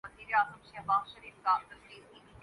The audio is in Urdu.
ان کا نام جعفر کنیت ابو عبد اللہ اور لقب صادق تھا